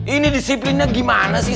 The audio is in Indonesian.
ini disiplinnya gimana sih